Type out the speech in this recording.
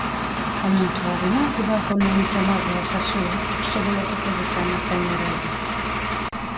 Omuntu alina okubaako omutemwa gw'asasula okusobola okukozesa amasanyalaze.